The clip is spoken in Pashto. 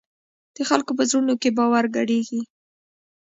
د خلکو په زړونو کې باور ګډېږي.